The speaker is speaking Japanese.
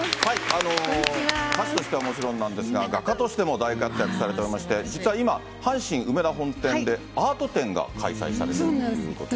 歌手としてはもちろんなんですが、画家としても大活躍しておられまして、実は今、阪神梅田本店でアート展が開催されているということで。